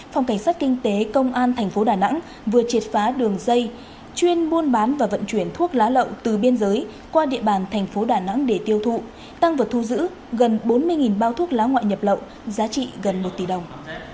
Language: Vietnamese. phòng cảnh sát kinh tế công an thành phố đà nẵng vừa triệt phá đường dây chuyên buôn bán và vận chuyển thuốc lá lậu từ biên giới qua địa bàn thành phố đà nẵng để tiêu thụ tăng vật thu giữ gần bốn mươi bao thuốc lá ngoại nhập lậu giá trị gần một tỷ đồng